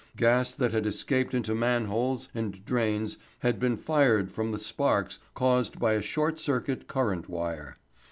Gas that had escaped into man holes and drains had been fired from the sparks caused by a short circuit current wire.